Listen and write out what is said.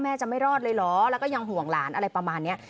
จะไม่รอดเลยเหรอแล้วก็ยังห่วงหลานอะไรประมาณนี้